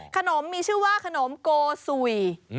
ขนมมีชื่อว่าขนมโกสุย